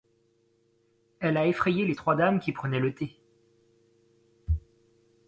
Elle a effrayé les trois dames qui prenaient le thé.